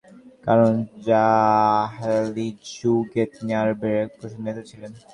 কারণ, জাহেলী যুগে তিনি আরবের এক প্রভাবশালী নেতা ছিলেন।